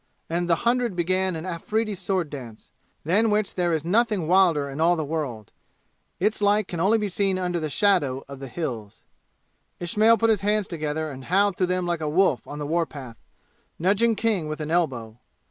And the hundred began an Afridi sword dance, than which there is nothing wilder in all the world. Its like can only be seen under the shadow of the "Hills." Ismail put his hands together and howled through them like a wolf on the war path, nudging King with an elbow.